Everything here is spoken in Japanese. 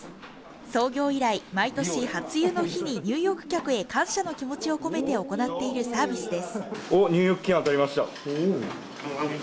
創業以来毎年、初湯の日に入浴客へ感謝の気持ちを込めて行っているサービスです。